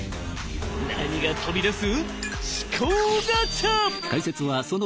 何が飛び出す？